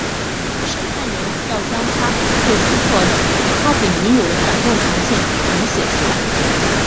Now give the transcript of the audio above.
审判员要他将被撕毁的他给女友的反动长信重写出来。